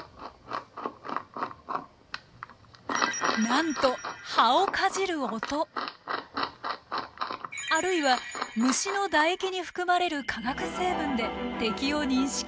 なんとあるいは虫の唾液に含まれる化学成分で敵を認識。